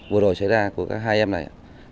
vụ đổi xảy ra của các hai em này